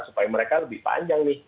supaya mereka lebih panjang nih